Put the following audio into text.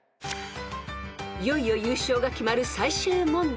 ［いよいよ優勝が決まる最終問題。